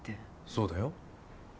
そうだよ。